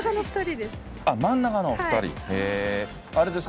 真ん中の２人です。